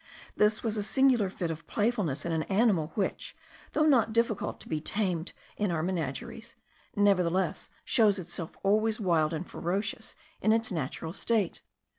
This was a singular fit of playfulness in an animal which, though not difficult to be tamed in our menageries, nevertheless shows itself always wild and ferocious in its natural state.